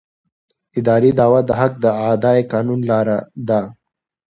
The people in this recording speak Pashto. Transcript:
اداري دعوه د حق د اعادې قانوني لاره ده.